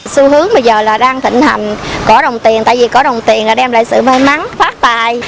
xu hướng bây giờ là đang thịnh hành có đồng tiền tại vì có đồng tiền là đem lại sự may mắn phát tài